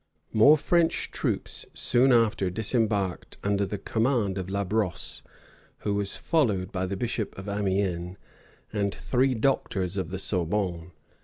More French troops soon after disembarked under the command of La Brosse, who was followed by the bishop of Amiens, and three doctors of the Sorbonne.